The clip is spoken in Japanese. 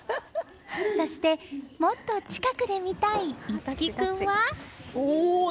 そして、もっと近くで見たい樹君は。